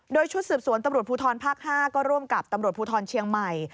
โดยชุดสืบสวนตำรวจภูทรภาค๕ก็ร่วมกับตำรวจภูทรเชียงใหม่